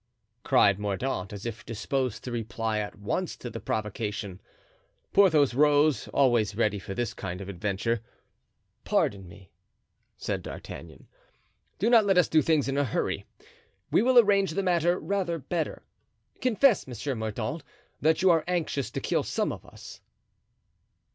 cried Mordaunt, as if disposed to reply at once to the provocation. Porthos rose, always ready for this kind of adventure. "Pardon me," said D'Artagnan. "Do not let us do things in a hurry. We will arrange the matter rather better. Confess, Monsieur Mordaunt, that you are anxious to kill some of us."